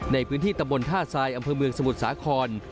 ในพื้นที่ตำบลท่าทรายอำเภอเมืองสมุทรสาคร